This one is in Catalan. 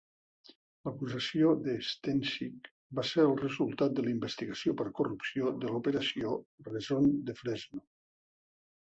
L'acusació de Setencich va ser el resultat de la investigació per corrupció de l'Operació Rezone de Fresno.